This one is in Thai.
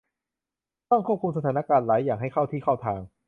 ต้องควบคุมสถานการณ์หลายอย่างให้เข้าที่เข้าทาง